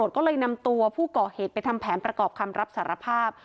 ก็เลยนำตัวผู้ก่อเหตุไปทำแผนประกอบคำรับสารภาพ